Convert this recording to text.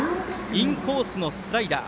インコースのスライダー